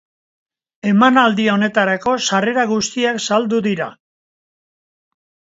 Emanaldi honetarako sarrera guztiak saldu dira.